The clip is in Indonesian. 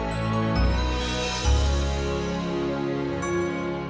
lo yakin tadi glenn berisik aja ke sini